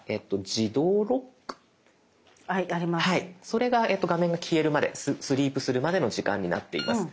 それが画面が消えるまでスリープするまでの時間になっています。